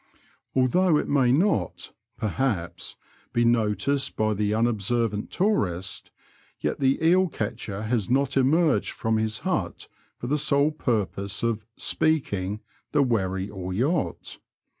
Although it may not, perhaps, be noticed by the unobservant tourist, yet the eel catcher has not emerged from his hut for the sole purpose of " speaking *' the wherry or yacht.